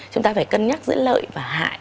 chúng ta phải cân nhắc giữa lợi và hại